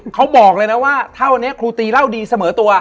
เขาบอกเลยนะว่าเท่านี้ครูตีเล่าดีเสมอตัว